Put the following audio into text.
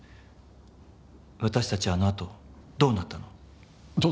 私たちあのあとどうなったの？